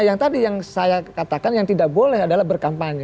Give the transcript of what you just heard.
yang tadi yang saya katakan yang tidak boleh adalah berkampanye